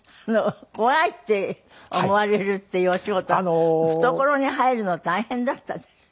怖いって思われるっていうお仕事は懐に入るの大変だったでしょ？